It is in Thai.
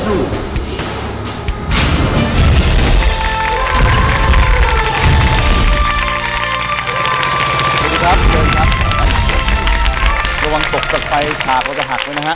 ระวังตกต่อไปขาบเราจะหักไว้นะฮะ